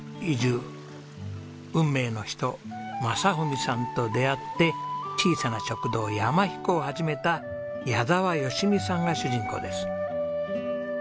運命の人正文さんと出会って小さな食堂山ひこを始めた矢沢吉美さんが主人公です。